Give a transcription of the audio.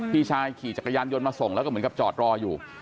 พี่ชายขี่จักรยานยนต์มาส่งแล้วก็เหมือนกับจอดรออยู่